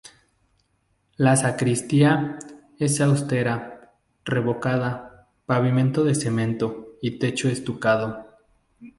La sacristía es austera, revocada, con pavimento de cemento y techo estucado.